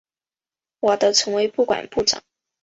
瓦德成为不管部长。